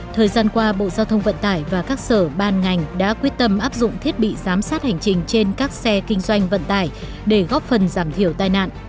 thời gian qua bộ giao thông vận tải và các sở ban ngành đã quyết tâm áp dụng thiết bị giám sát hành trình trên các xe kinh doanh vận tải để góp phần giảm thiểu tai nạn